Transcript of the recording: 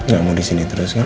gak mau disini terus kan